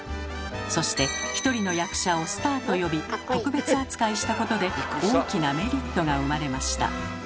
そして１人の役者をスターと呼び特別扱いしたことで大きなメリットが生まれました。